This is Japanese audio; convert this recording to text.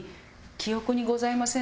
記憶にございません。